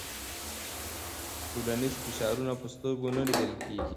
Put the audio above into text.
ټولنیز فشارونه په سترګو نه لیدل کېږي.